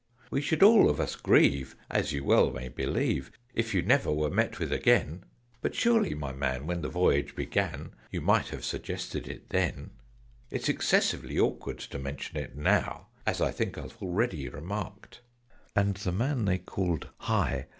"We should all of us grieve, as you well may believe, If you never were met with again But surely, my man, when the voyage began, You might have suggested it then? "It's excessively awkward to mention it now As I think I've already remarked." And the man they called "Hi!"